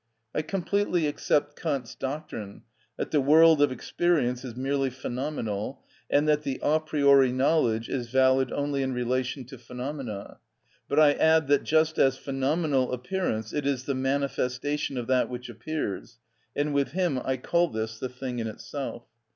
I completely accept Kant's doctrine that the world of experience is merely phenomenal, and that the a priori knowledge is valid only in relation to phenomena; but I add that just as phenomenal appearance, it is the manifestation of that which appears, and with him I call this the thing in itself.